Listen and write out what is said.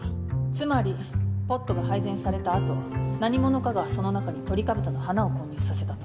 つまりポットが配膳された後何者かがその中にトリカブトの花を混入させたと。